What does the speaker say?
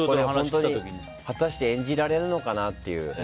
果たして演じられるのかなっていう。